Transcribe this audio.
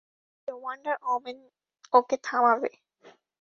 ওকে, Wonder Woman ওকে থামাবে।